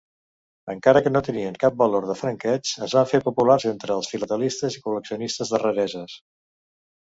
Encara que no tenien cap valor de franqueig, es van fer populars entre els filatelistes i col·leccionistes de rareses.